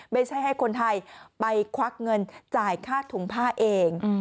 ไม่ใช่ให้คนไทยไปควักเงินจ่ายค่าถุงผ้าเอง